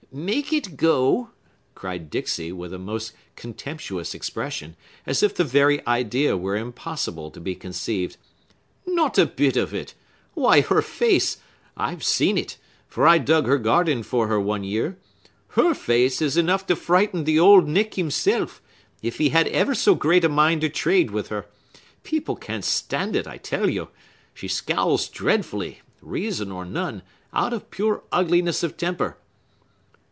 "Make it go!" cried Dixey, with a most contemptuous expression, as if the very idea were impossible to be conceived. "Not a bit of it! Why, her face—I've seen it, for I dug her garden for her one year—her face is enough to frighten the Old Nick himself, if he had ever so great a mind to trade with her. People can't stand it, I tell you! She scowls dreadfully, reason or none, out of pure ugliness of temper."